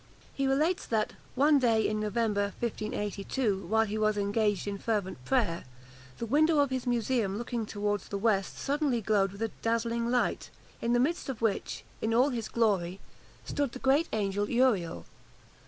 He relates that, one day, in November 1582, while he was engaged in fervent prayer, the window of his museum looking towards the west suddenly glowed with a dazzling light, in the midst of which, in all his glory, stood the great angel Uriel.